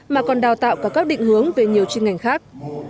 mà còn đào tạo cả các định hướng về nhiều chuyên ngành khác